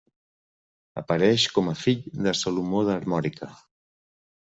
Apareix com a fill de Salomó d'Armòrica.